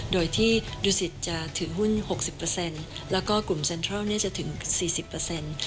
โดยที่ดูสิทธิ์จะถือหุ้นหกสิบเปอร์เซ็นต์แล้วก็กลุ่มเซ็นทรัลเนี้ยจะถึงสี่สิบเปอร์เซ็นต์